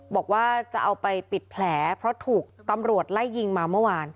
บอกว่าจะเอาไปปิดแผลเพราะถูกตำรวจไล่ยิงมาเมื่อวาน